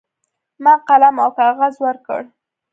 ما قلم او کاغذ ورکړ.